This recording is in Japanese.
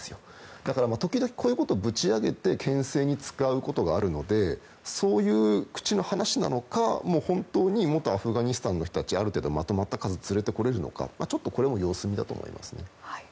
だから、時々こういうことぶち上げて牽制に使うことがあるのでそういう口の話なのか本当に元アフガニスタンの人たちある程度まとまった数を連れてこれるのかこれも様子見だと思いますね。